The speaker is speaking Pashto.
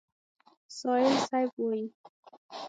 سایل صیب وایي: